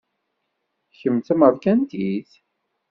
Kemm d tamerkantit?